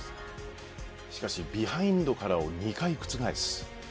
しかしビハインドからを２回覆す。